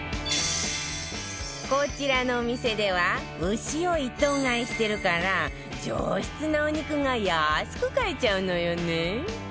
こちらのお店では牛を一頭買いしてるから上質なお肉が安く買えちゃうのよね